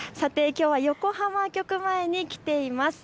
きょうは横浜局前に来ています。